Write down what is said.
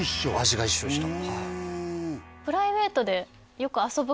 味が一緒でした